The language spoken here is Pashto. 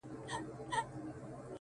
ګورﺉقاسم یار چي په ګناه کي هم تقوا کوي،